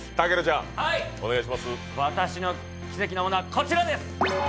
私の奇跡のものはこちらです！